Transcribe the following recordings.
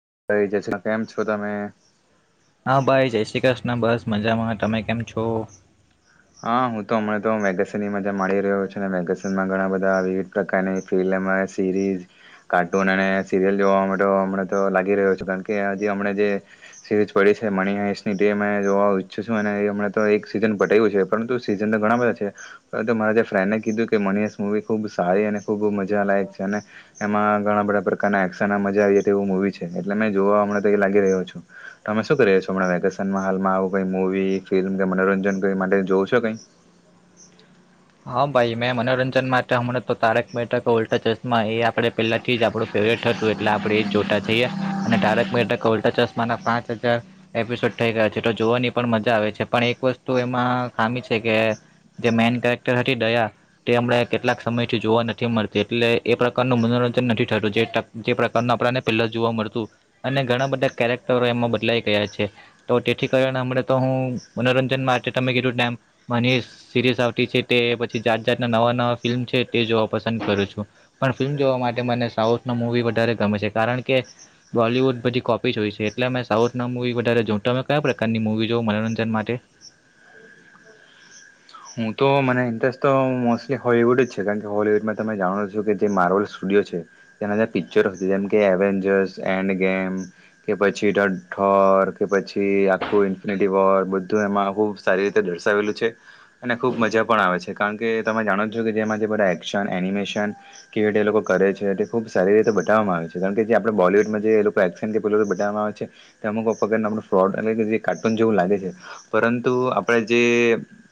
[unintelligible] કેમ છો તમે. હા ભાઈ જય શ્રી કૃષ્ણ બસ મજામાં તમે કેમ છો. હા હું તો હમણાં તો મેગઝિનની મજા માણીડી રહ્યો છું, ને મેગેાસિનમાં ઘણા બધા વિવિધ પ્રકાર. પરંતુ સિઝન તો ઘણા બધા છે, પરંતુ મારા જે ફ્રેન્ડ કીધું કે મનીસ મૂવી ખૂબ સારી અને ખૂબ મજા લાયક છે, અને એમાં ઘણા બધા પ્રકારના એક્શન મજા આવી તે એવું મૂવી છે એટલે મેં જોવાં તો એ લાગી રહ્યો છું, તો અમે શું કરીએ છો હમણા વેકેશનમાં હાલમાં આવું કઈ મૂવી ફિલ્મ કે મનોરંજન કઈ માટે જોઉ. છો કઈ. હા ભાઈ મેં મનોરંજન માટે હમણાં તો તારક મેક ઉલ્ટા ચશ્મા એ આપણે પહેલાથી જ આપણું ફેવરેટ હતું એટલે આપણે એ જ જોતા જઈએ અને તારક. [unintelligible] દયા. તે પછી જાત જાતના નવા નવા ફિલ્મ છે, તે જોવા પસંદ કરું છું, પણ ફિલ્મ જોવા માટે મને સાઉથની મૂવી વધારે ગમે છે, કારણ કે બોલવૂડ બધી કોપી જ હોય છે, એટલે મે સાઉથના મૂવી વધારે જોઉં તો તમે કયા પ્રકારની મૂવી જોવ મનોરંજન માટે. હું તો મને ઇન્ટરેસ્ટ તો. અને ખૂબ મજા પણ આવે છે, કારણ કે તમે જાણો છો કે જેમાં જે બધા એક્શન એનિમેશન કેવીય એ લોકો કરે છે, તે ખૂબ સારી રીતે બતાવવામાં આવે છે, કારણ કે જે આપણે બોલિવૂડમાં જે એ લોકો એક્શન કે પેલી બતાવવામાં આવે છે, તે અમુક પગડને આપણું ફ્રોડ એટલે કે જે કાર્ટૂન જેવું લાગે છે, પરંતુ આપણે જે.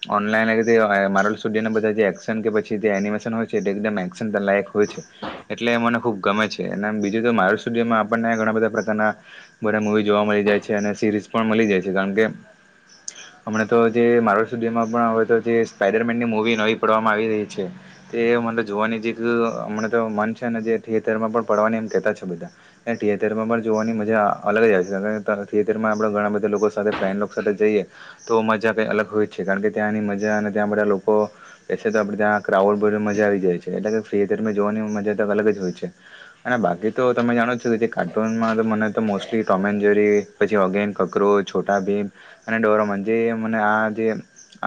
ઓનલાઈન [unintelligible] રીતે મારોલ. પણ હવે તો જે સ્પાઈડર મેનની મુવી નવી પડવામાં આવી રહી છે, તે મત જોવાની જે અમને તો મન છે, ને જે થિયેટરમાં પણ પડવાની એમ કેહેતા છે, બધા થિયેટર માં પણ જોવાની મજા અલગ જ આવે છે, થિયેટરમાં આપણે ઘણા બધા લોકો સાથે ફ્રેન્ડ સાથે જઈએ તો મજા કઈ અલગ હોય જ છે, કારણ કે. ત્યાંની મજા અને ત્યાં બધા લોકો બેસે તો આપણે ત્યાં ક્રાઉડ મજા આવી જાય છે, એટલે કે થિયેટર જોવાની મજા તો અલગ જ હોય છે, અને બાકી તો તમે જાણો છો કે જે કાર્ટૂનમાં મને તો મોસ્ટલી ટોમ એડ જોરી પછી ઓગેન કકરો છોટા ભીમ અને ડોરોમન જે મને આ જે.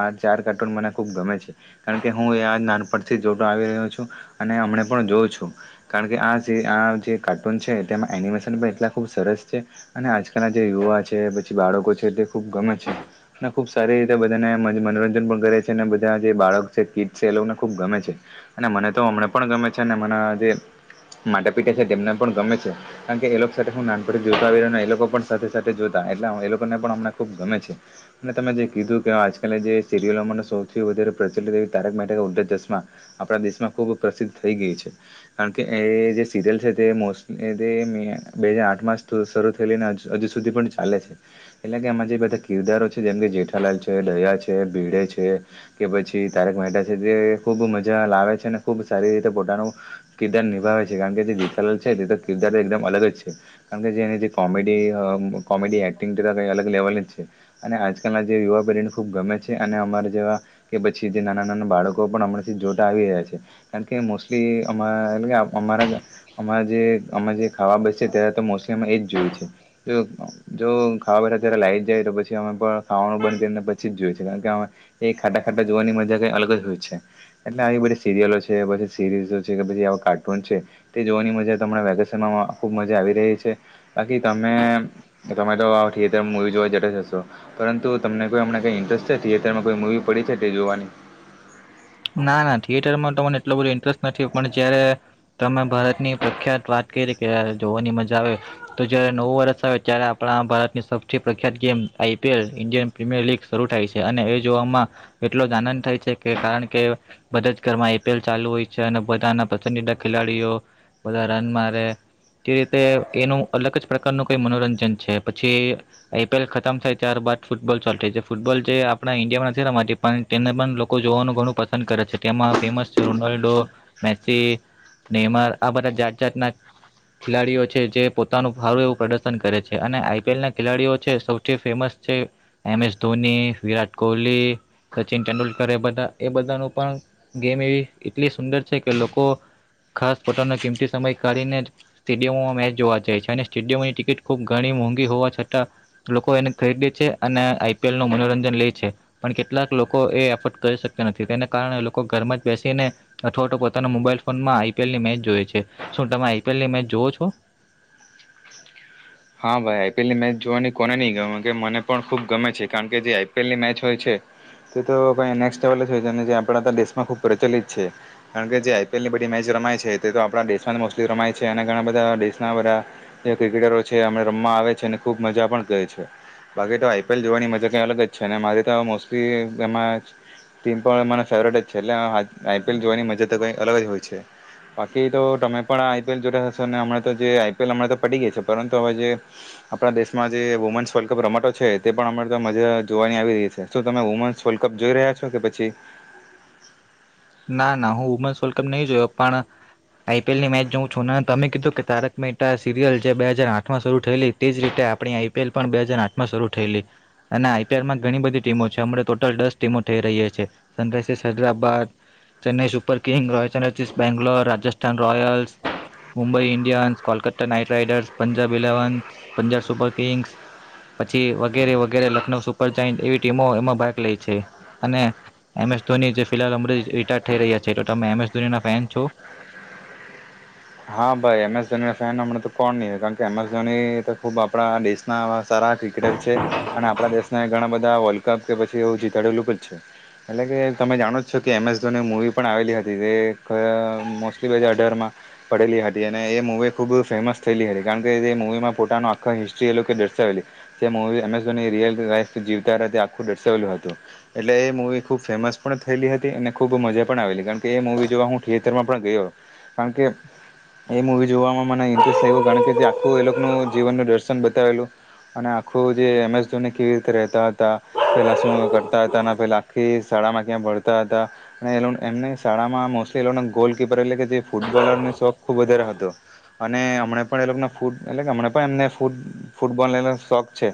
આ ચાર કાર્ટૂન મને ખૂબ ગમે છે, કારણ કે હું એ આ નાનપણથી જોતો આવી રહ્યો છું અને હમણે પણ જોઉં છું કારણ કે આ જે આ જે કાર્ટૂન છે, તેમાં એનિમેશન પણ એટલા ખૂબ સરસ છે અને આજકાલના જે યુવા છે, પછી બાળકો છે, તે ખૂબ ગમે છે, અને ખૂબ સારી રીતે બધાને. મનોરંજન પણ કરે છે, અને બધા જે બાળક છે કીડ છે, એ લોકોને ખુબ ગમે છે, અને મ [unintelligible] જે સિરિયલોમાં સૌથી વધારે પ્રચલિત એવી તારક મે ઉધર ચશ્મા આપણા દેશમાં ખૂબ પ્રસિદ્ધ થઈ ગઈ છે, કારણ કે એ જે સિરિયલ છે, તે મોસ્ટલી બે હજાર આઠમાં શરૂ થયેલી હજુ સુધી પણ ચાલે છે, એટલે કે આમાં જે બધા કિરદારો છે, જેમકે જેઠાલાલ છે, ડયા [unintelligible] છે, કે પછી તારક મતા છે, તે ખુબ મજા લાવે છે, અને ખુબ સારી રીતે પોતાનું [unintelligible] ાવ છે, કારણ કે જે જીથલાલ છે, તે તો કિરદાર એકદમ અલગ જ છે, કારણ કે જેને જે કોમેડી કોમેડી એક્ટિંગ ક અલગ લેવલ જ છે. અને આજકાલના જે યુવા પેઢી. ખૂબ ગમે છે, અને અમારા જેવા કે પછી જે નાના નાના બાળકો પણ અમણાંથી જોતા આવી રહ્યા છે, કારણ કે મોસ્ટલી અમા એટ કે અમારા અમારા જે અમે જે ખાવા બસ છે, ત્યારે તો મોસ્ટલી અમે એ જ જોયું છે, તો જો ખાવા બસ અત્યારે લાઈટ જાય તો પછી અમે પણ ખાવાનું બંધ કરીને પછી. કારણ કે એ ખાટા ખાટ જોવાની મજા કઈ અલગ જ હોય છે, એટલે આવી બધી સિરિયલો છેછી સિરીઝો છે, કે પછી આવા કાર્ટૂન છે, તે જોવાની મજા વેકેશનમાં ખુબ મજા આવી રહી છે, બાકી તમે તમે તો થિયેટરમાં મૂવી જોવા જતા જ હશો પરંતુ તમને કોઈમ. કંઈ ઇન્ટરેસ્ટ છે, થિયેટરમાં કોઈ મૂવી પડી છે, તે જોવાની. ના ના થિયેટરમાં તને એટલોું બધો ઇન્ટરેસ્ટ નથી પણ જય્યારે તમે ભારતની પ્રખ્યાત વાત કરી કે્યારે જોવાની મજા આવે તો જ્યારે નવું વર્ષ આવે ત્યારે આપણા ભારતની સૌથી પ્રખ્યાત game IPL Indian Premier League શરૂ થાય છે, અને એ જોવામાં એટલો જ આનંદ થાય છે, કે કારણ કે. કે બધા જ ઘરમાં આઈપીએલ ચાલુ હોય છે, અને બધાના પસંદીદા ખેલાડીઓ બધા રન મારે તે રીતે એનું અલગ જ પ્રકારનું કઈ મનોરંજન છે, પછી આઈપીએલ ખતમ થાય ત્યારબદ ફૂટબોલ ચાલુ થાય છે, ફૂટબોલ જે આપણા ઈન્ડિયામાં નથીમાં પણ તેને પણ લોકો જોવાનું ઘણું પંદ [unintelligible] છે, તેમાં ફેમસ છે, રોનાલ્ડો મેસી [unintelligible] આ બધા જાત જાતના ખેલાડીઓ છે, જે પોતાનું સારું એવું પ્રદર્શન કરે છે, અને આઈપીએલ ના ખેલાડીઓ છે, સૌથી ફેમસ છે, એમ એસ ધોની વિરાટ કોહલી સચિન તેંડુલકર એ બધા એ બધા. પોતા પણ ગેમ એવી એટલી સુંદર છે, કે લોકો ખાસ પોતાનો કિંમતી સમય કાઢીને સ્ટેડિયમમાં મેચ જોવા જાય છે, અને સ્ટેડિયમની ટિકિટ ખૂબ ઘણી મોંઘી હોવા છતાં લોકો એને ખરીદે છે, અને આઈપીએલ નું મનોરંજન લે છે, પણ કેટલાક લોકો એ એફોર્ડ કરી શકતા નથી. તેને કારણે લોકો ઘરમાં બેસીને અથો પોતાના મોબાઈલ ફોનમાં આઈપીએલ ની મેચ જોય છે, શું તમે આઈપીએલની મેચ જોવ છો. હા ભાઈ આઈપીએલની મેચ જોવાની કોને નહીં ગમે કે મને પણ ખૂબ ગમે છે, કારણ કે જે આઈપીએલની મેચ હોય છે તે તો [unintelligible] લેવલ જ હોય છે, જે આપણા દેશમાં ખૂબ પ્રચલિત છે કારણ કે જે આઈપીએલ ની બધી મેચ રમાય છે, તે તો આપણા દેશમાં મોસ્ટલી રમાય છે, અને ઘણા બધા દેશના બધા ક્રિકેટરો છે. છે, અ રમવા આવે છે, અને ખૂબ મજા પણ કહે છે, બાકી તો આઈપીએલ જોવાની મજા કંઈ અલગ જ છે, મારી તો મોસ્ટલી એમાં ટીમ પણ મને ફેવરેટ જ છે, એટલે આઈપીએલ જોવાની મજા તો કંઈ અલગ જ હોય છે, બાકી તો તમે પણ આઈપીએલ જોતા હશો ને હમણાં જે આઈપીએલ અમણાં તો પડી ગઈ છે. પરંતુ હવે જે આપણા દેશમાં જે વુમેન્સ વર્લ્ડ કપ રમાતો છે, તે પણ અમારે મજા જોવાની આવી રહી છે, શ તમે વુમેન્સ વર્લ્ડ કપ જોઈ રહ્યા છો કે પછી ના ના હું વુમન્સ વર્લ્ડ કપ નહીં જોયો પણ આઈપીએલની મેચ જોઉં છું તમે કીધું કે તારક મહેટા સિરિયલ જે બે હજાર આઠમાં શરૂ થયેલી તે જ રીતે આપણી આઈપીએલ પણ બે હજાર આઠમાં શરૂ થયેલી અને આઈપીએલમાં ઘણી બધી ટીમો છે, અણા ટોટલ દસ ટીમો થઈ રહી છીએ Sunrisers Hyderabad Chennai Super Kings Royal Challengers Bangalore Rajasthan Royals Mumbai Indians Kolkata Knight Riders Punjab ઇલેવન્સ Punjab Super Kings પછી વગેરે વગેરે લખનઉ સુપર ચઇન્ટ એવી ટીમો એમાં ભાગ લઈ છે, અને એમ એસ ધોની જે [unintelligible] રિટાયર થઈ રહ્યા છે, [unintelligible] તમે એમએસ ધોની ના ફેન છો. હા ભાઈ એમ એસ ધોની ના ફેન હમણાં તો કોણ નહી કારણ કે એમ એસ ધોની તો ખુબ આપણા દેશના સારા ક્રિકેટર છે, અને આપણા દેશને ઘણા બધા વર્લ્ડ કપ કે પછી એવું જીતાડેલું જ છે એટલે કે તમે જાણો [inaudible] પડેલી હતી અને એ મૂવી ખૂબ ફેમસ થયેલી હતી કારણ કે જે મૂવીમાં પોતાનો આખો હિસ્ટ્રી એ લોકો દર્શાવેલી જે મૂવી અમેઝોની રિયલ લાઈઇફ જીવતા હતા તે આખું દર્શાવેલું હતું એટલે એ મૂવી ખૂબ ફેમસ પણ થયેલી હતી અને ખૂબ મજા પણ આવેલી કારણ કે એ મૂવી જોવા હું થિયેટરમાં પણ ગયો કારણ કે એ મ જો મને ઇન્ટરેસ્ટ આવ કારણ કે જે આખું એ લોકોનું જીવનનું દર્શન બતાવેલું અને આખું જે એમસ ધ કેવી રીતે રતા હતા પેલા શું કરતા હતા પેલા આખી શાળામાં ક્યાં ભરતા હતા અને એને [unintelligible] એ ગોલકીપર એટલે કે જે ફૂટબોલર શોખ ખૂબ વધારે હતો અને હમણા પણ એ લોકોના ફૂડ એટલે કે હમણા પણ એમને ફૂટ ફૂટબોલ શોખ છે,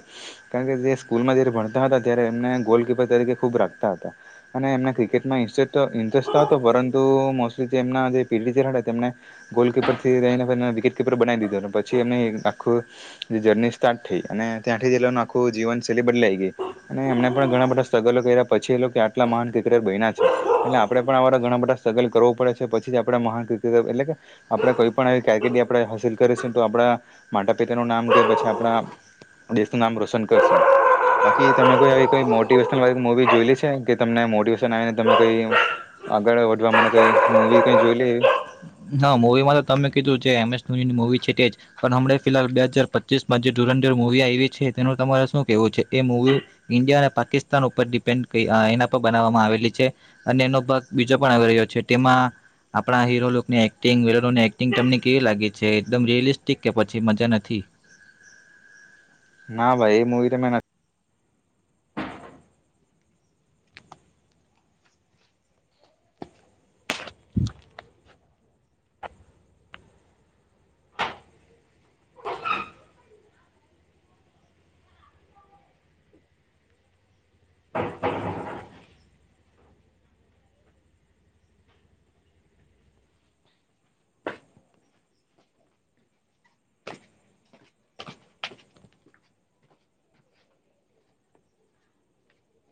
કારણ કે જે સ્કૂલમાં જારે ભણતા હતા ત્યારે એમને [unintelligible] તરીકે ખૂબ રાખતા હતા અને એમને ક્રિકેટમાં ઇસ્ટ તો ઇન્ટરેસ્ટ તો હતો પરંતુ મોસ્ટલી જે એમના જે [unintelligible] હતા તેમને ગોલકીપર થી રને વિકેટ કપર બનાવી દીધું પછી એમ આખું જર્ની સ્ટાર્ટ થઈ અને ત્યાંથી જ એ આખું જીવનશૈલી બદલાઈ ગઈ અને એમને પણ ઘણા બધા સ્ટ્રગલો કર્યા પછી એ આટલા મહાન ક્રિકેટર બન્યા છે, એટલે આપણેે પણ આ ઘણા બધા સ્ટ્રગલ કરવો પડે છે, પછી આપ મહાન ક્રિકેટર એટલે આપણે કોઈ પણ આવી કારકિ આપણે હાસિલ કરીશું તો આપણા માતા પિતા નું નામ કે પછી આપણા દેશનું નામ રોશન કરશું બાકી તમે કોઈ આવી કઈ મોટિવેશન વાળી મુવી જોઈ લે છે, કે તમને મોટિવેશન આવીને તમે કઈ આગળ વધવા માટે કઈ મુવી કઈ જોઈ લે. હા મુવીમાં તો તમે કીધું એમ એસ ધોનીની મવી છે તેજ પણ હમં ફિલહાલ બે હાજાર પચીસમાં જે ધુરંધુર મુવી આવી છે, તેનું તમારે શું કેવું છે, એ મુવી ઈન્ડિયા અને પાકિસ્તાન ઉપર ડિપેન્ડ એના પર બનાવવામાં આવેલી છે અને એનો ભાગ બીજો પણ આવી રહ્યો છે, તેમાં આપણા હીરો એક્ટિંગની એક્ટિંગ તમને કેવી લાગી છે, એકદમ રિલિસ્ટિક કે પછી મજા નથી. ના ભાઈ એ મૂવી તમેં નથી. હ